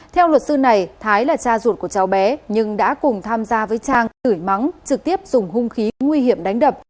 theo luật sư này thái là cha ruột của cháu bé nhưng đã cùng tham gia với trang tử mắng trực tiếp dùng hung khí nguy hiểm đánh đập